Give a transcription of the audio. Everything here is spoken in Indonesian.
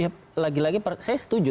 ya lagi lagi saya setuju